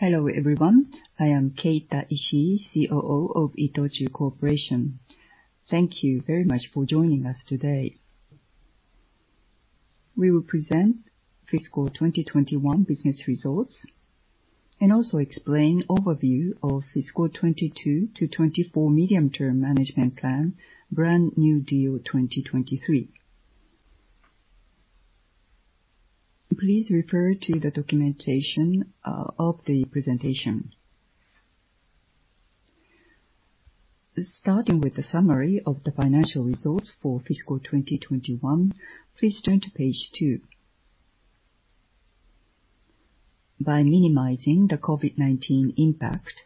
Hello, everyone. I am Keita Ishii, COO of ITOCHU Corporation. Thank you very much for joining us today. We will present fiscal 2021 business results and also explain overview of fiscal 2022 to 2024 medium-term management plan, Brand-new Deal 2023. Please refer to the documentation of the presentation. Starting with the summary of the financial results for fiscal 2021, please turn to page two. By minimizing the COVID-19 impact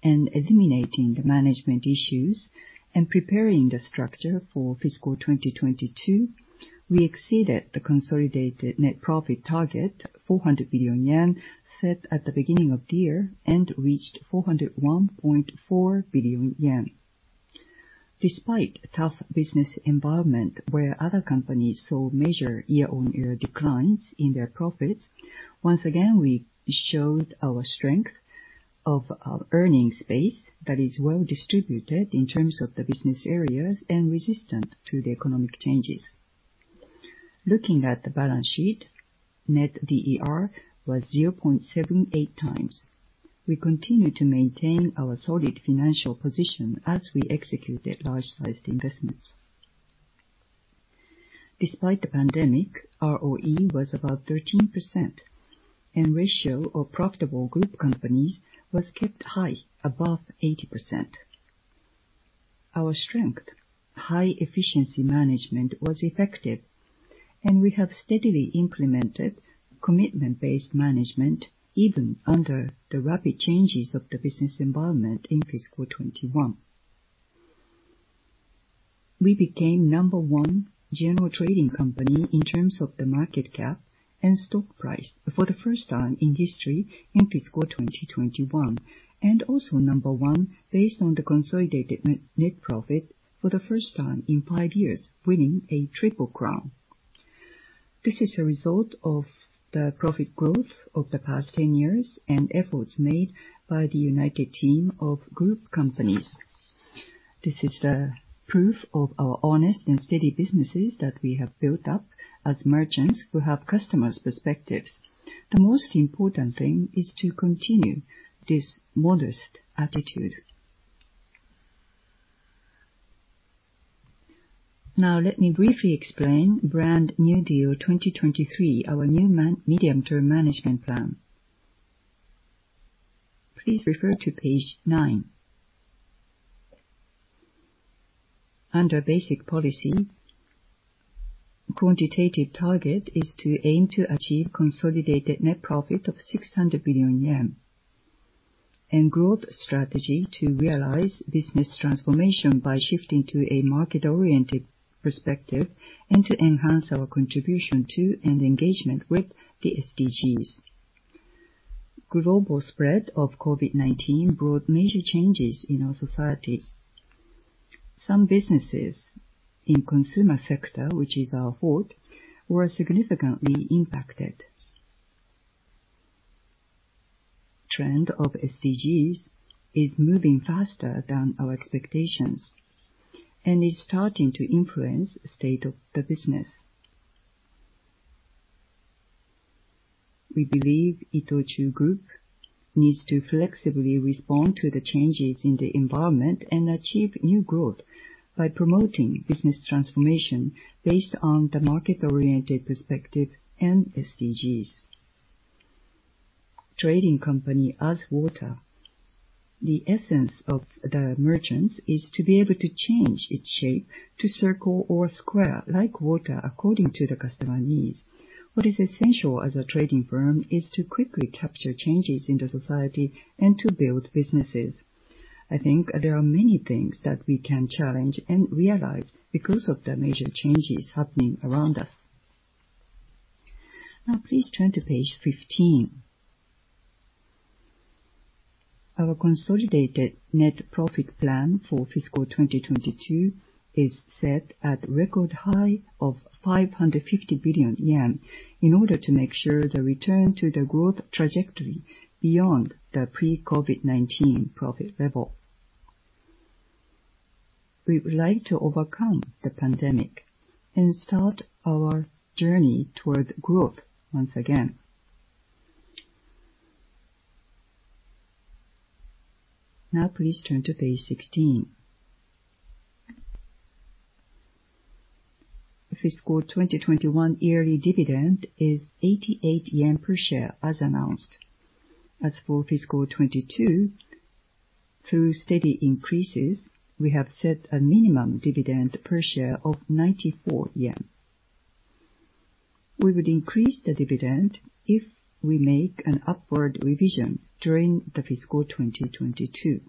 and eliminating the management issues and preparing the structure for fiscal 2022, we exceeded the consolidated net profit target, 400 billion yen, set at the beginning of the year and reached 401.4 billion yen. Despite a tough business environment where other companies saw major year-on-year declines in their profits, once again, we showed our strength of our earnings base that is well-distributed in terms of the business areas and resistant to the economic changes. Looking at the balance sheet, net DER was 0.78x. We continue to maintain our solid financial position as we executed large-sized investments. Despite the pandemic, ROE was about 13% and ratio of profitable group companies was kept high, above 80%. Our strength, high efficiency management, was effective, and we have steadily implemented commitment-based management even under the rapid changes of the business environment in fiscal 2021. We became number one general trading company in terms of the market cap and stock price for the first time in history in fiscal 2021, and also number one based on the consolidated net profit for the first time in five years, winning a triple crown. This is a result of the profit growth of the past 10 years and efforts made by the united team of group companies. This is the proof of our honest and steady businesses that we have built up as merchants who have customers' perspectives. The most important thing is to continue this modest attitude. Let me briefly explain Brand-new Deal 2023, our new medium-term management plan. Please refer to page nine. Under basic policy, quantitative target is to aim to achieve consolidated net profit of 600 billion yen and growth strategy to realize business transformation by shifting to a market-oriented perspective and to enhance our contribution to, and engagement with, the SDGs. Global spread of COVID-19 brought major changes in our society. Some businesses in consumer sector, which is our fort, were significantly impacted. Trend of SDGs is moving faster than our expectations and is starting to influence state of the business. We believe ITOCHU Group needs to flexibly respond to the changes in the environment and achieve new growth by promoting business transformation based on the market-oriented perspective and SDGs. Trading company as water. The essence of the merchants is to be able to change its shape to circle or square like water according to the customer needs. What is essential as a trading firm is to quickly capture changes in the society and to build businesses. I think there are many things that we can challenge and realize because of the major changes happening around us. Now please turn to page 15. Our consolidated net profit plan for fiscal 2022 is set at record high of 550 billion yen in order to make sure the return to the growth trajectory beyond the pre-COVID-19 profit level. We would like to overcome the pandemic and start our journey toward growth once again. Please turn to page 16. The fiscal 2021 yearly dividend is 88 yen per share, as announced. For fiscal 2022, through steady increases, we have set a minimum dividend per share of 94 yen. We would increase the dividend if we make an upward revision during the fiscal 2022.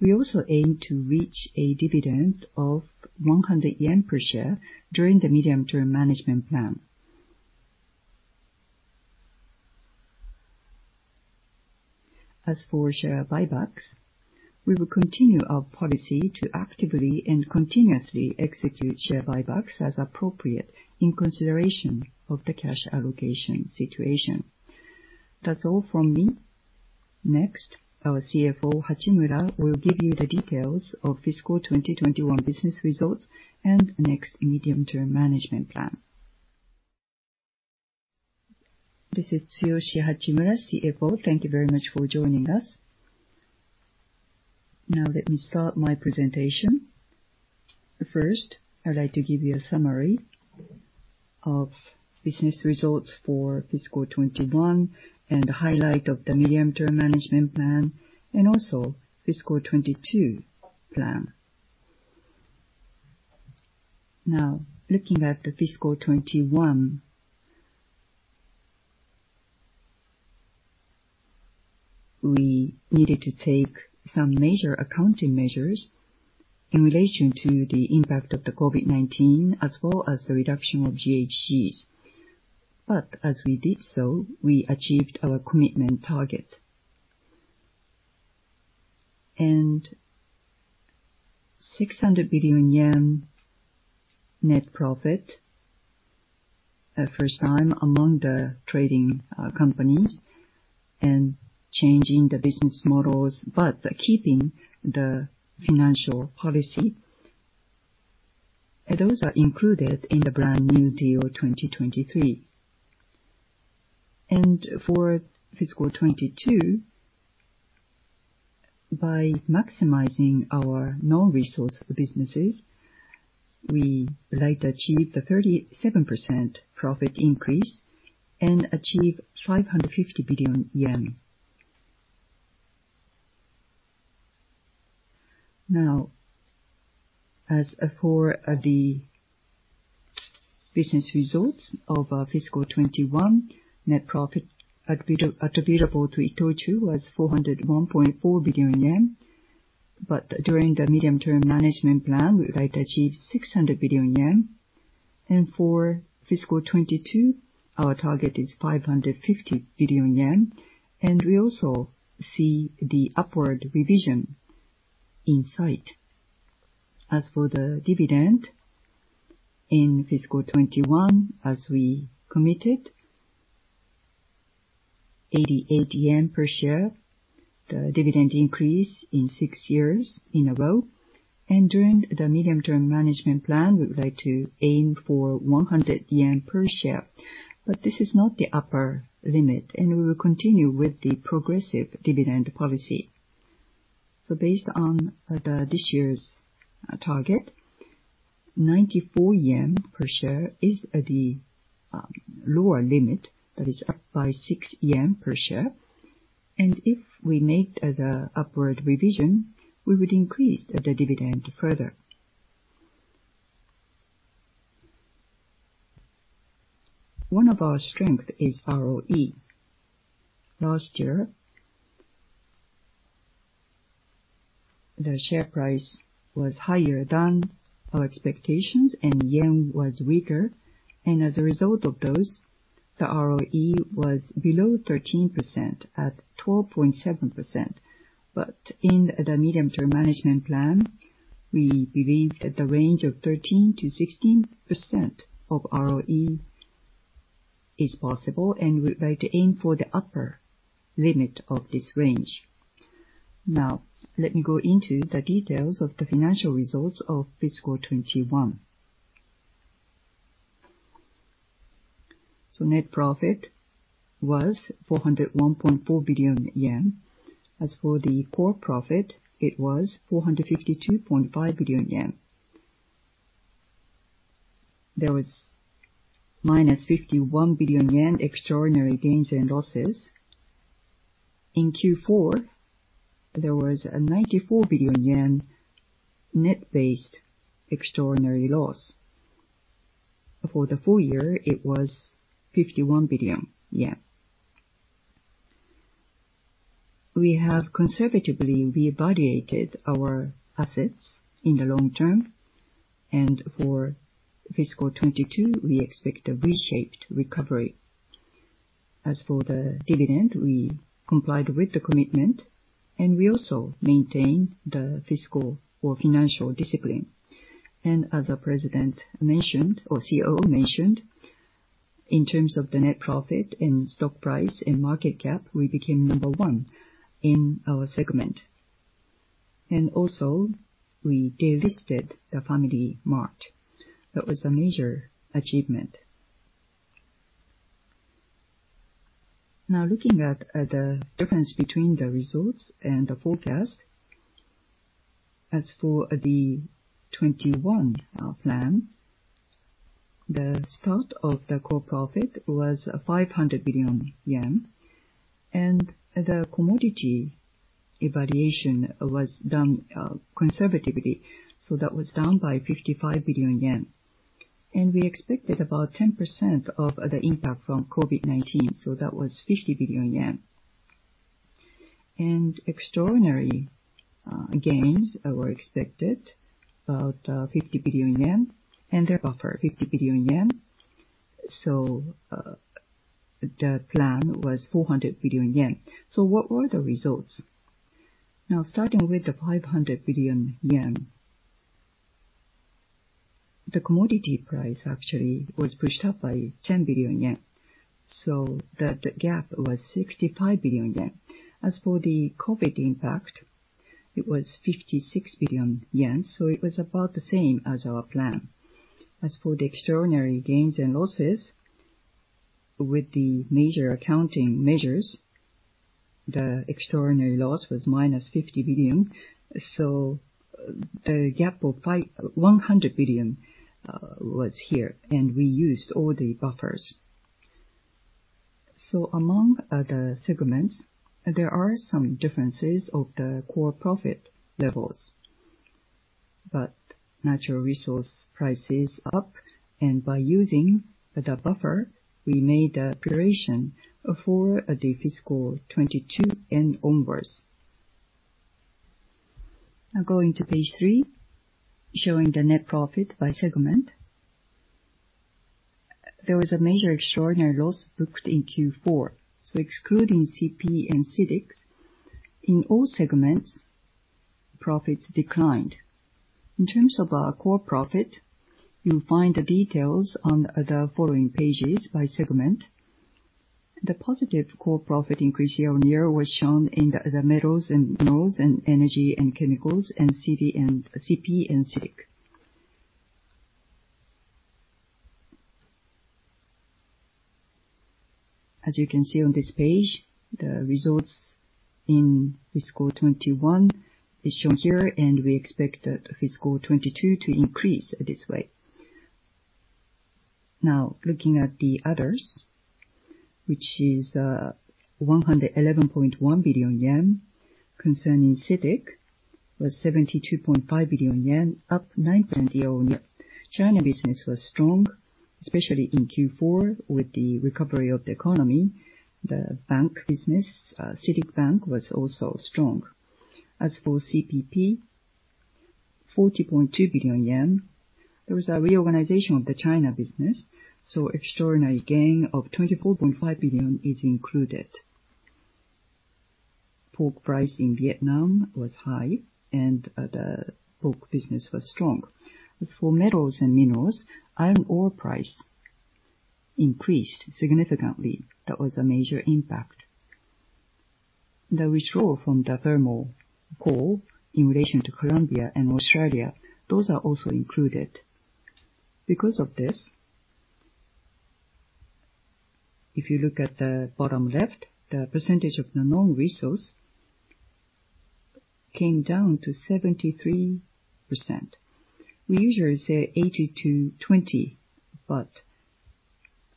We also aim to reach a dividend of 100 yen per share during the medium-term management plan. For share buybacks, we will continue our policy to actively and continuously execute share buybacks as appropriate in consideration of the cash allocation situation. That's all from me. Our CFO, Hachimura, will give you the details of fiscal 2021 business results and next medium-term management plan. This is Tsuyoshi Hachimura, CFO. Thank you very much for joining us. Let me start my presentation. First, I'd like to give you a summary of business results for fiscal 2021 and the highlight of the medium-term management plan, and also fiscal 2022 plan. Now, looking at the fiscal 2021. We needed to take some major accounting measures in relation to the impact of the COVID-19, as well as the reduction of GHGs. As we did so, we achieved our commitment target. JPY 600 billion net profit, a first time among the trading companies, and changing the business models, but keeping the financial policy. Those are included in the Brand-new Deal 2023. For fiscal 2022, by maximizing our non-resource businesses, we would like to achieve the 37% profit increase and achieve 550 billion yen. Now, as for the business results of our fiscal 2021, net profit attributable to ITOCHU was 401.4 billion yen. During the medium-term management plan, we would like to achieve 600 billion yen. For fiscal 2022, our target is 550 billion yen. We also see the upward revision in sight. As for the dividend, in fiscal 2021, as we committed, 88 yen per share, the dividend increase in six years in a row. During the medium-term management plan, we would like to aim for 100 yen per share. This is not the upper limit, and we will continue with the progressive dividend policy. Based on this year's target, 94 yen per share is the lower limit. That is up by 6 yen per share. If we make the upward revision, we would increase the dividend further. One of our strength is ROE. Last year, the share price was higher than our expectations, and JPY was weaker. As a result of those, the ROE was below 13% at 12.7%. In the medium-term management plan, we believe that the range of 13%-16% of ROE is possible, and we would like to aim for the upper limit of this range. Now, let me go into the details of the financial results of fiscal 2021. Net profit was 401.4 billion yen. As for the core profit, it was 452.5 billion yen. There was minus 51 billion yen extraordinary gains and losses. In Q4, there was a 94 billion yen net-based extraordinary loss. For the full year, it was 51 billion yen. We have conservatively reevaluated our assets in the long term. For fiscal 2022, we expect a V-shaped recovery. As for the dividend, we complied with the commitment, and we also maintain the fiscal or financial discipline. As our President mentioned, or COO mentioned, in terms of the net profit in stock price and market cap, we became number one in our segment. Also, we delisted the FamilyMart. That was a major achievement. Looking at the difference between the results and the forecast. As for the 2021 plan, the start of the core profit was 500 billion yen. The commodity evaluation was done conservatively. That was down by 55 billion yen. We expected about 10% of the impact from COVID-19, so that was 50 billion yen. Extraordinary gains were expected, about 50 billion yen, and they're offered 50 billion yen. The plan was 400 billion yen. What were the results? Starting with the 500 billion yen, the commodity price actually was pushed up by 10 billion yen, so the gap was 65 billion yen. As for the COVID impact, it was 56 billion yen, so it was about the same as our plan. As for the extraordinary gains and losses, with the major accounting measures, the extraordinary loss was minus 50 billion. The gap of 100 billion was here. We used all the buffers. Among the segments, there are some differences of the core profit levels. Natural resource price is up, and by using the buffer, we made the preparation for the fiscal 2022 and onwards. Now going to page three, showing the net profit by segment. There was a major extraordinary loss booked in Q4. Excluding CP and CITIC, in all segments, profits declined. In terms of our core profit, you'll find the details on the following pages by segment. The positive core profit increase year-on-year was shown in the Metals & Minerals, and Energy & Chemicals, and CP and CITIC. As you can see on this page, the results in fiscal 2021 is shown here, and we expect the fiscal 2022 to increase this way. Looking at the others, which is 111.1 billion yen, concerning CITIC was 72.5 billion yen, up 19 billion. China business was strong, especially in Q4 with the recovery of the economy. The bank business, CITIC Bank, was also strong. As for CPP, 40.2 billion yen, there was a reorganization of the China business, so extraordinary gain of 24.5 billion is included. Pork price in Vietnam was high, and the pork business was strong. As for Metals & Minerals, iron ore price increased significantly. That was a major impact. The withdrawal from the thermal coal in relation to Colombia and Australia, those are also included. Because of this, if you look at the bottom left, the percentage of the non-resource came down to 73%. We usually say 80%-20%, but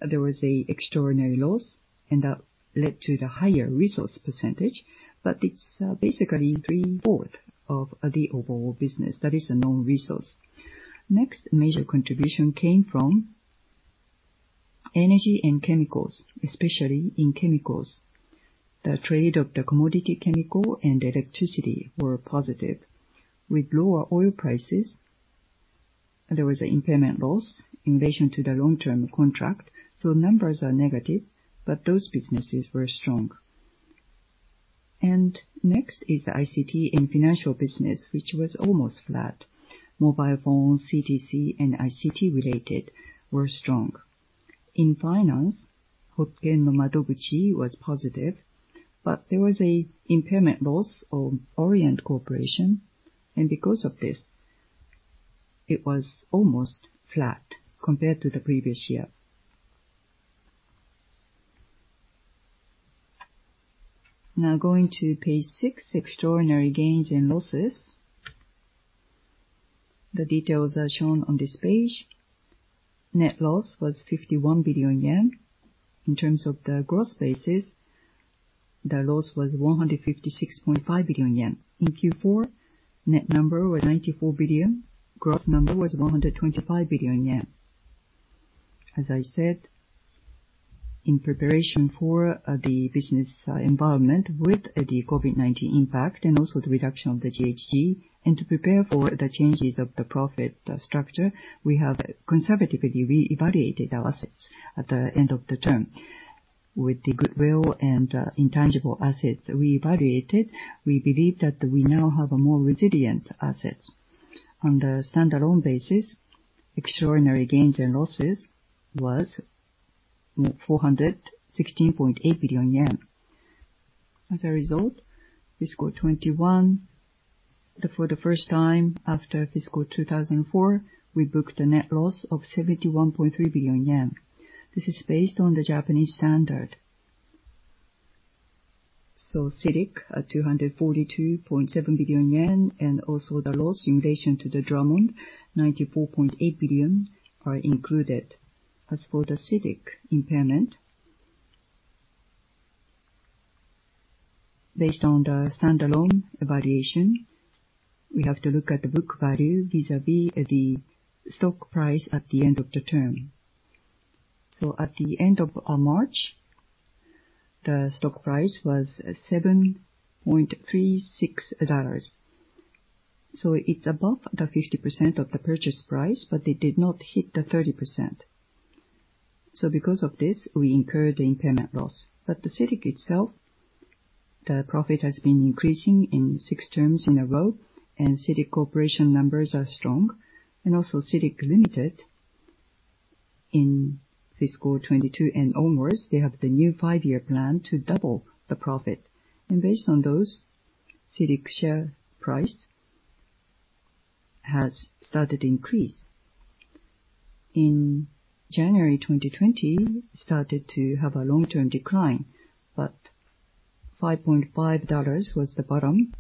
there was a extraordinary loss and that led to the higher resource percentage, but it's basically 3/4 of the overall business that is a non-resource. Next major contribution came from Energy & Chemicals, especially in chemicals. The trade of the commodity chemical and electricity were positive. With lower oil prices, there was an impairment loss in relation to the long-term contract, so numbers are negative, but those businesses were strong. Next is the ICT and financial business, which was almost flat. Mobile phone, CTC, and ICT-related were strong. In finance, Hokkin no madobushi was positive, but there was a impairment loss of Orient Corporation, and because of this, it was almost flat compared to the previous year. Now going to page six, extraordinary gains and losses. The details are shown on this page. Net loss was 51 billion yen. In terms of the gross basis, the loss was 156.5 billion yen. In Q4, net number was 94 billion, gross number was 125 billion yen. As I said, in preparation for the business environment with the COVID-19 impact and also the reduction of the GHG, and to prepare for the changes of the profit structure, we have conservatively reevaluated our assets at the end of the term. With the goodwill and intangible assets reevaluated, we believe that we now have a more resilient assets. On the standalone basis, extraordinary gains and losses was 416.8 billion yen. As a result, fiscal 2021, for the first time after fiscal 2004, we booked a net loss of 71.3 billion yen. This is based on the Japanese standard. CITIC, at 242.7 billion yen, and also the loss in relation to the Drummond, 94.8 billion, are included. As for the CITIC impairment, based on the standalone evaluation, we have to look at the book value vis-à-vis the stock price at the end of the term. At the end of March. The stock price was $7.36. It's above the 50% of the purchase price, but it did not hit the 30%. Because of this, we incurred the impairment loss. The CITIC itself, the profit has been increasing in six terms in a row, and CITIC Corporation numbers are strong. CITIC Limited in fiscal 2022 and onwards, they have the new five-year plan to double the profit. Based on those, CITIC share price has started to increase. In January 2020, started to have a long-term decline, but $5.5 was the bottom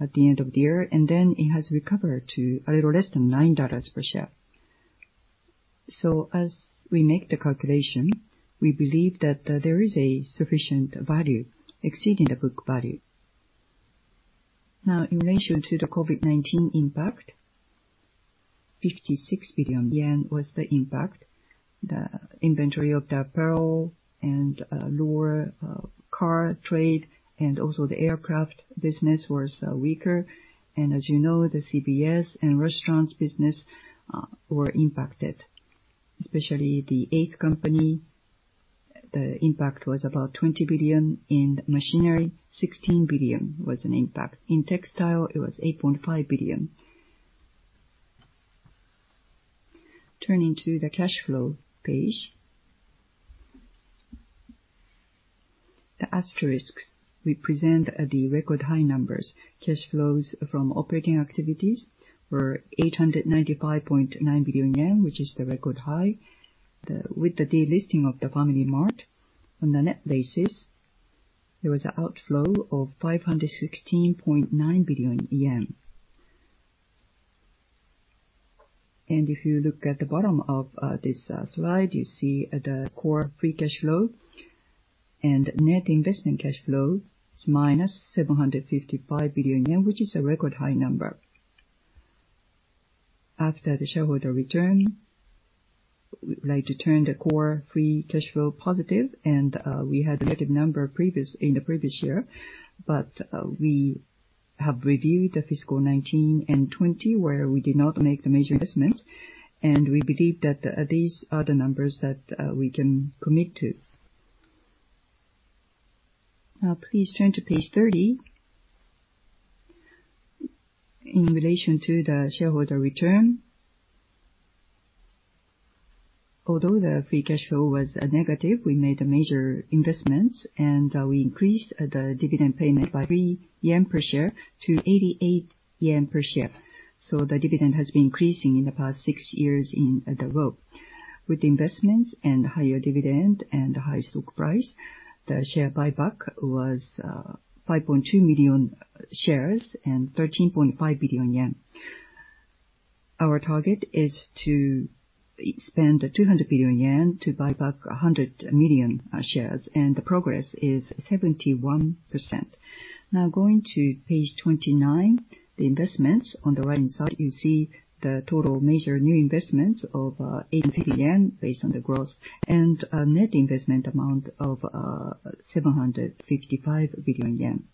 at the end of the year, and then it has recovered to a little less than $9 per share. As we make the calculation, we believe that there is a sufficient value exceeding the book value. In relation to the COVID-19 impact, 56 billion yen was the impact. The inventory of the apparel and lower car trade, and also the aircraft business was weaker. As you know, the CBS and restaurants business were impacted. Especially The 8th Company, the impact was about 20 billion, in machinery 16 billion was an impact. In textile, it was 8.5 billion. Turning to the cash flow page. The asterisks represent the record high numbers. Cash flows from operating activities were 895.9 billion yen, which is the record high. With the delisting of the FamilyMart, on the net basis, there was an outflow of 516.9 billion yen. If you look at the bottom of this slide, you see the core free cash flow and net investment cash flow is -755 billion yen, which is a record high number. After the shareholder return, we would like to turn the core free cash flow positive, we had a negative number in the previous year, we have reviewed the fiscal 2019 and 2020, where we did not make the major investments, we believe that these are the numbers that we can commit to. Now please turn to page 30. In relation to the shareholder return, although the core free cash flow was negative, we made major investments and we increased the dividend payment by 3 yen per share to 88 yen per share. The dividend has been increasing in the past six years in a row. With investments and higher dividend and high stock price, the share buyback was 5.2 million shares and 13.5 billion yen. Our target is to spend 200 billion yen to buy back 100 million shares, and the progress is 71%. Now, going to page 29, the investments. On the right-hand side, you see the total major new investments of 850 billion yen based on the gross, and net investment amount of 755 billion yen.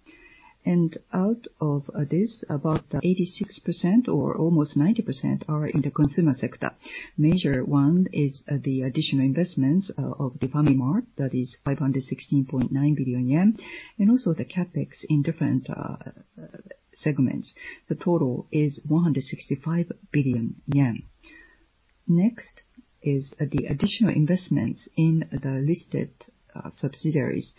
Out of this, about 86% or almost 90% are in the consumer sector. Major one is the additional investments of the FamilyMart, that is 516.9 billion yen, and also the CapEx in different segments. The total is 165 billion yen. Next is the additional investments in the listed subsidiaries.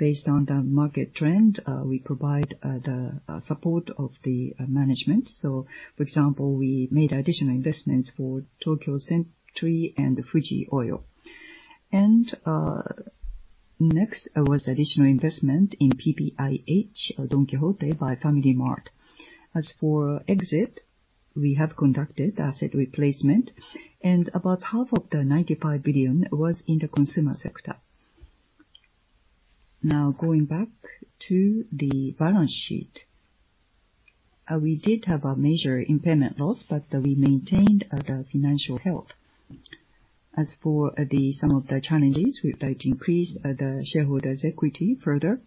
Based on the market trend, we provide the support of the management. For example, we made additional investments for Tokyo Century and Fuji Oil. Next was additional investment in PPIH or Don Quijote by FamilyMart. As for exit, we have conducted asset replacement and about half of the 95 billion was in the consumer sector. Now going back to the balance sheet. We did have a major impairment loss, but we maintained the financial health. As for some of the challenges, we would like to increase the shareholders' equity further.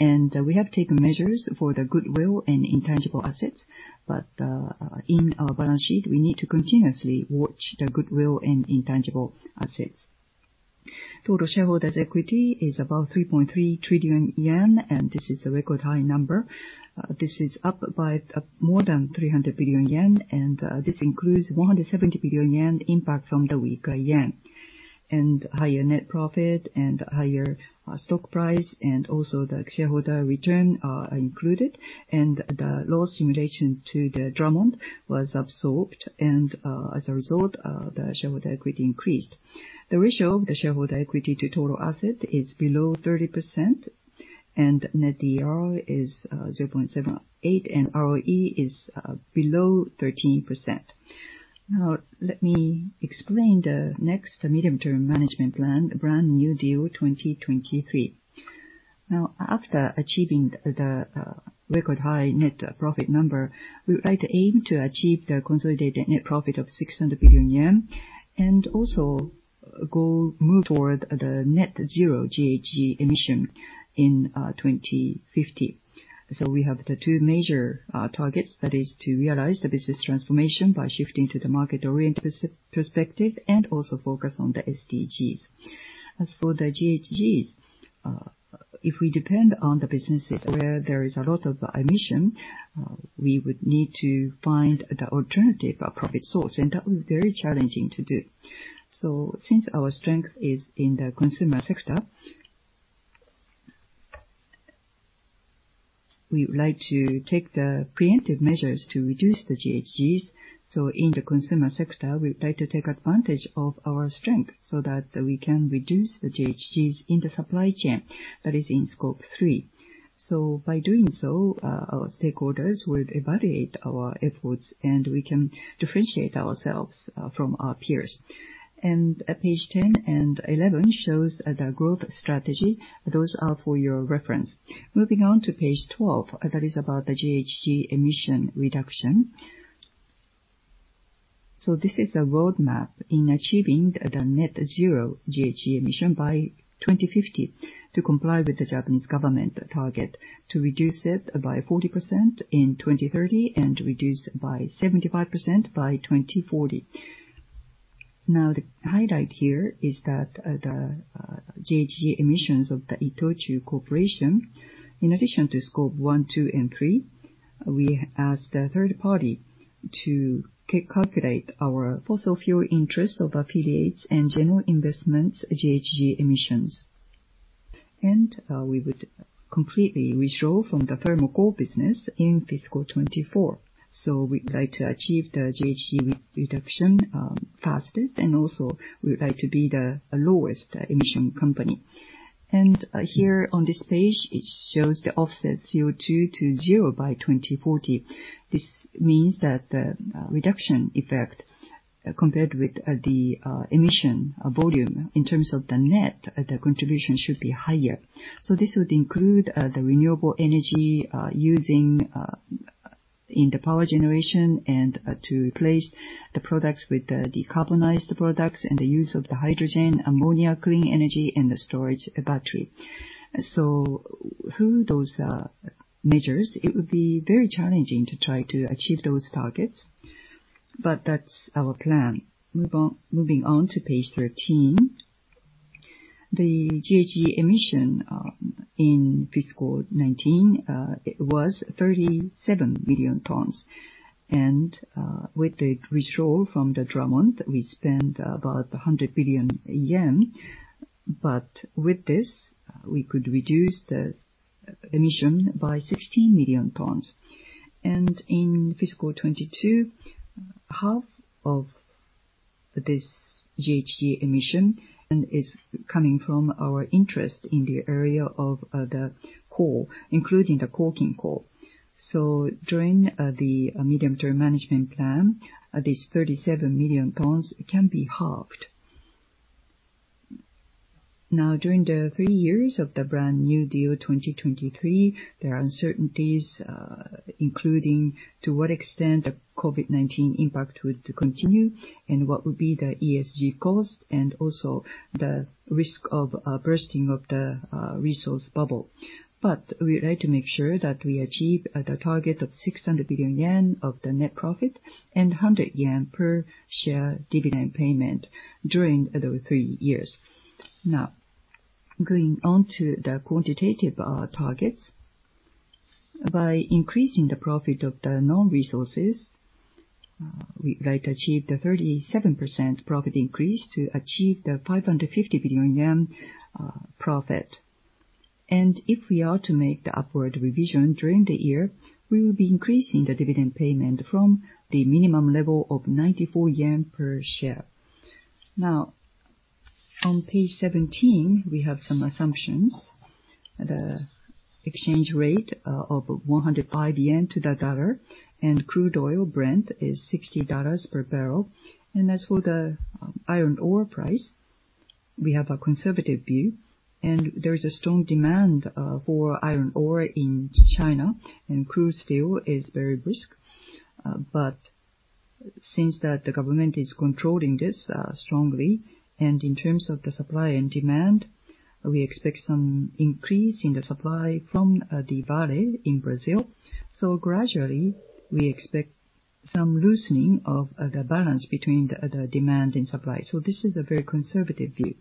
We have taken measures for the goodwill and intangible assets. In our balance sheet, we need to continuously watch the goodwill and intangible assets. Total shareholders' equity is about 3.3 trillion yen, and this is a record high number. This is up by more than 300 billion yen, and this includes 170 billion yen impact from the weaker yen. Higher net profit and higher stock price, and also the shareholder return are included. The loss in relation to Drummond was absorbed, and as a result, the shareholder equity increased. The ratio of the shareholder equity to total asset is below 30%, and net DER is 0.78, and ROE is below 13%. Let me explain the next medium-term management plan, the Brand-new Deal 2023. After achieving the record high net profit number, we would like to aim to achieve the consolidated net profit of 600 billion yen and also move toward the net zero GHG emission in 2050. We have the two major targets. That is, to realize the business transformation by shifting to the market-oriented perspective and also focus on the SDGs. As for the GHGs, if we depend on the businesses where there is a lot of emission, we would need to find the alternative profit source, and that will be very challenging to do. Since our strength is in the consumer sector, we would like to take the preemptive measures to reduce the GHGs. In the consumer sector, we try to take advantage of our strength so that we can reduce the GHGs in the supply chain, that is in Scope 3. By doing so, our stakeholders would evaluate our efforts, and we can differentiate ourselves from our peers. Page 10 and 11 shows the growth strategy. Those are for your reference. Moving on to page 12, that is about the GHG emission reduction. This is a roadmap in achieving the net zero GHG emission by 2050 to comply with the Japanese government target to reduce it by 40% in 2030 and reduce it by 75% by 2040. The highlight here is that the GHG emissions of the ITOCHU Corporation, in addition to Scope 1, 2, and 3, we asked a third party to calculate our fossil fuel interest of affiliates and general investments GHG emissions. We would completely withdraw from the thermal coal business in fiscal 2024. We would like to achieve the GHG reduction fastest, and also, we would like to be the lowest emission company. Here on this page, it shows the offset CO₂ to zero by 2040. This means that the reduction effect compared with the emission volume in terms of the net, the contribution should be higher. This would include the renewable energy using in the power generation, and to replace the products with the decarbonized products, and the use of the hydrogen ammonia clean energy and the storage battery. Through those measures, it would be very challenging to try to achieve those targets, but that's our plan. Moving on to page 13. The GHG emission in fiscal 2019, it was 37 million tons. With the withdrawal from the Drummond, we spent about 100 billion yen. With this, we could reduce the emission by 16 million tons. In fiscal 2022, half of this GHG emission is coming from our interest in the area of the coal, including the coking coal. During the medium-term management plan, these 37 million tons can be halved. During the three years of the Brand-new Deal 2023, there are uncertainties, including to what extent the COVID-19 impact would continue, and what would be the ESG cost, and also the risk of bursting of the resource bubble. We would like to make sure that we achieve the target of 600 billion yen of the net profit and 100 yen per share dividend payment during those three years. Going on to the quantitative targets. By increasing the profit of the non-resources, we would like to achieve the 37% profit increase to achieve the 550 billion yen profit. If we are to make the upward revision during the year, we will be increasing the dividend payment from the minimum level of 94 yen per share. On page 17, we have some assumptions. The exchange rate of 105 yen to the USD and crude oil Brent is $60 per barrel. As for the iron ore price, we have a conservative view, and there is a strong demand for iron ore in China, and crude fuel is very brisk. Since that the government is controlling this strongly, and in terms of the supply and demand, we expect some increase in the supply from the Vale in Brazil. Gradually, we expect some loosening of the balance between the demand and supply. This is a very conservative view.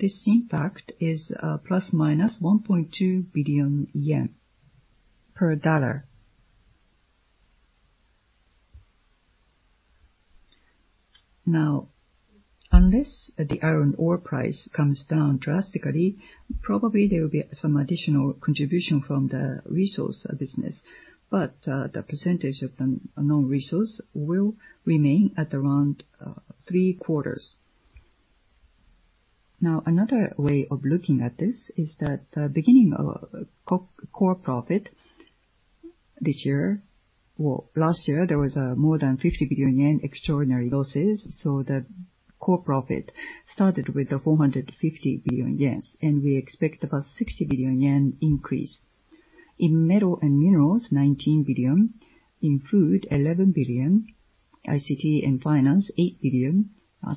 This impact is ±JPY 1.2 billion per USD. Now, unless the iron ore price comes down drastically, probably there will be some additional contribution from the resource business, but the percentage of the non-resource will remain at around three quarters. Another way of looking at this is that the beginning core profit this year. Last year, there was more than 50 billion yen extraordinary losses, the core profit started with the 450 billion yen. We expect about 60 billion yen increase. In metal and minerals, 19 billion. In food, 11 billion. ICT and finance, 8 billion.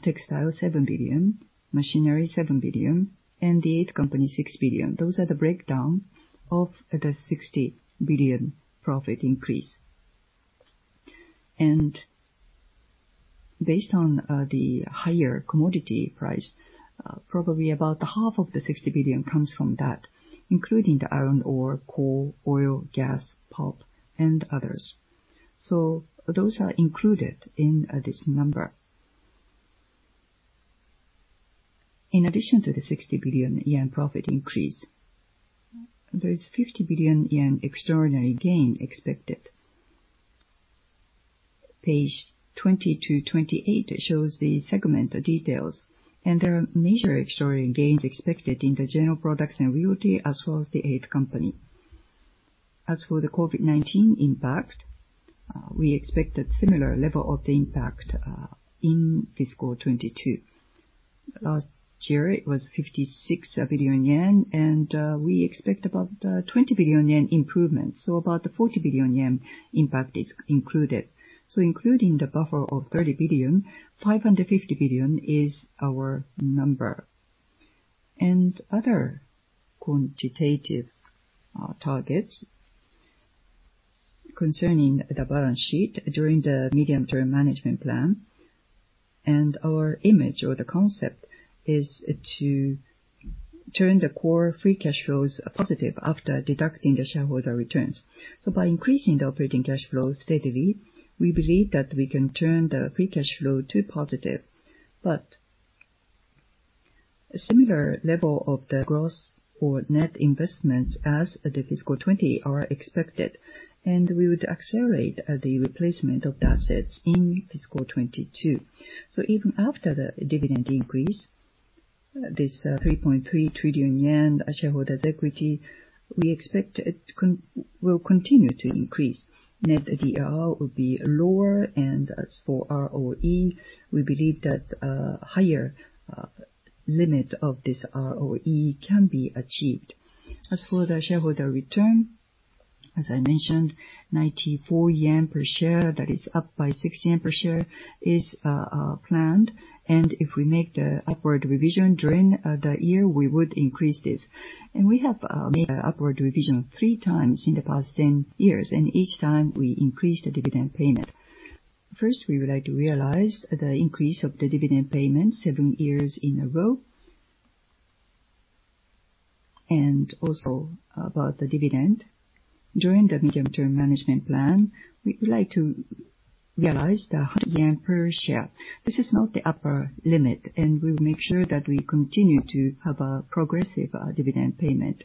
Textile, 7 billion. Machinery, 7 billion. The IT company, 6 billion. Those are the breakdown of the 60 billion profit increase. Based on the higher commodity price, probably about half of the 60 billion comes from that, including the iron ore, coal, oil, gas, pulp, and others. Those are included in this number. In addition to the 60 billion yen profit increase, there is 50 billion yen extraordinary gain expected. Page 20 to 28 shows the segment, the details, and there are major extraordinary gains expected in the general products and realty, as well as the 8th Company. As for the COVID-19 impact, we expect a similar level of the impact in fiscal 2022. Last year, it was 56 billion yen, and we expect about 20 billion yen improvement. About the 40 billion yen impact is included. Including the buffer of 30 billion, 550 billion is our number. Other quantitative targets concerning the balance sheet during the medium-term management plan and our image or the concept is to turn the core free cash flows positive after deducting the shareholder returns. By increasing the operating cash flows steadily, we believe that we can turn the free cash flow to positive, but a similar level of the growth or net investments as the fiscal 2020 are expected. We would accelerate the replacement of the assets in fiscal 2022. Even after the dividend increase, this 3.3 trillion yen shareholders' equity, we expect it will continue to increase. Net DER will be lower, and as for ROE, we believe that a higher limit of this ROE can be achieved. As for the shareholder return, as I mentioned, 94 yen per share, that is up by 6 yen per share, is planned. If we make the upward revision during the year, we would increase this. We have made an upward revision three times in the past 10 years, and each time, we increased the dividend payment. First, we would like to realize the increase of the dividend payment seven years in a row. Also about the dividend, during the medium-term management plan, we would like to realize the 100 yen per share. This is not the upper limit, and we will make sure that we continue to have a progressive dividend payment.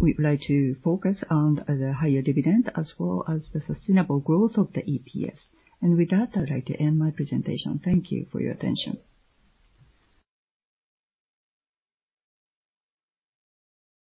We would like to focus on the higher dividend as well as the sustainable growth of the EPS. With that, I'd like to end my presentation. Thank you for your attention.